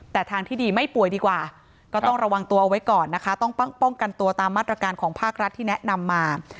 แต่ทางที่ดีไม่ป่วยดีกว่าก็ต้องระวังตัวเอาไว้ก่อนนะคะต้องป้องกันตัวตามมาตรการของภาครัฐที่แนะนำมา